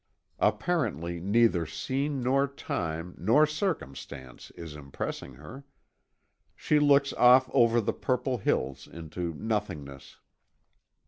Apparently neither scene nor time, nor circumstance is impressing her. She looks off over the purple hills into nothingness.